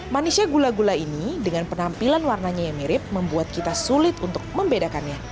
manisnya gula gula ini dengan penampilan warnanya yang mirip membuat kita sulit untuk membedakannya